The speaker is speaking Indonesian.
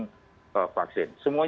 jadi ini juga tergantung kepada tiga m